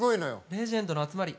レジェンドの集まり。